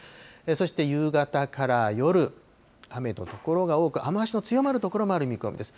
そして夕方から夜、雨の所が多く、雨足の強まる所もある見込みです。